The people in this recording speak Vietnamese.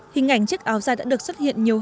hình ảnh chiếc áo dài đã được xuất hiện nhiều